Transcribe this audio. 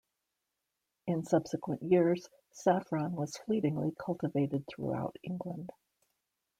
In subsequent years saffron was fleetingly cultivated throughout England.